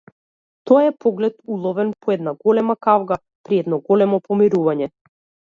Тоа е поглед уловен по една голема кавга, при едно големо помирување.